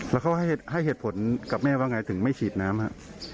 แล้วเขาให้เหตุผลกับแม่ว่าไงถึงไม่ฉีดน้ำครับ